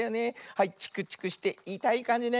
はいチクチクしていたいかんじね。